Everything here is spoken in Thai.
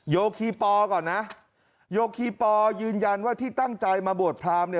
โยคีปอก่อนนะโยคีปอยืนยันว่าที่ตั้งใจมาบวชพรามเนี่ย